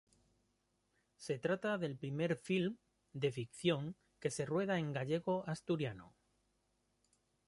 Se trata del primer filme de ficción que se rueda en gallego-asturiano.